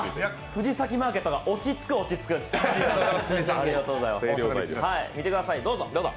藤崎マーケットが落ち着く、落ち着く。